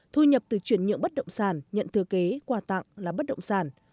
thu nhập từ chuyển nhượng bất động sản nhận thừa kế quà tặng là bất động sản